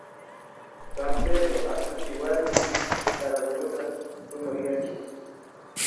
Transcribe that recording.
San Pedró apunchik wasi Saragurota sumakyachin.